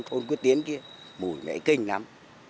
thôn quyết tiến kia mùi mẹ kinh lắm